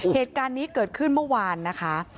เหตุการณ์นี้เกิดขึ้นเมื่อวานนะคะ